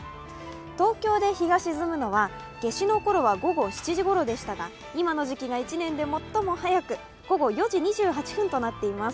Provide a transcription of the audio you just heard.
東京で日が沈むのは、夏至のころは午後７時ごろでしたが、今の時期が１年で最も早く、午後４時２８分となっています。